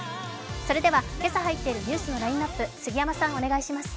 それでは今朝入っているニュースのラインナップ、杉山さん、お願いします。